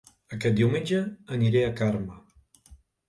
Aquest diumenge aniré a Carme